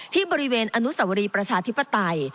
ที่บริเวณอนุสวรีประชาธิปไตย